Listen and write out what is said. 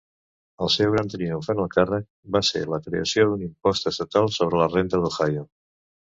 El seu gran triomf en el càrrec va ser la creació d'un l'impost estatal sobre la renda d'Ohio.